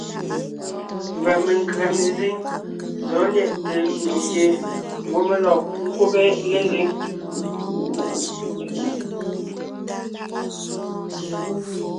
Mba menkʉ̀a mezíŋ zɔ̌ lyɛʼte ndù gie ngwɔ́ mé lɔg ńkúbe lezíŋ.